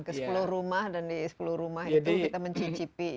ke sepuluh rumah dan di sepuluh rumah itu kita mencicipi